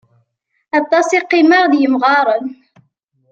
Aṭas i qqimeɣ d yemɣaren.